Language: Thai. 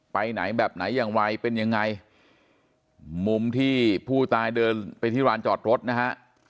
ไปไหนแบบไหนอย่างไรเป็นยังไงมุมที่ผู้ตายเดินไปที่ร้านจอดรถนะฮะ